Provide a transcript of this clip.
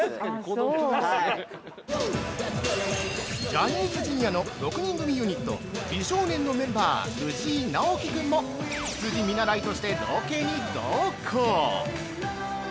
◆ジャニーズＪｒ．の６人組ユニット・美少年のメンバー、藤井直樹君も執事見習いとしてロケに同行。